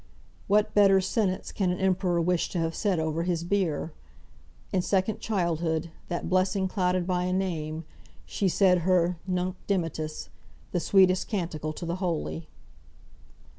What better sentence can an emperor wish to have said over his bier? In second childhood (that blessing clouded by a name), she said her "Nunc Dimittis," the sweetest canticle to the holy.